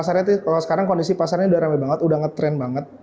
pasarnya kalau sekarang kondisi pasarnya udah rame banget udah ngetrend banget